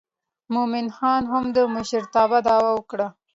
مومن خان هم د مشرتابه دعوه وکړه.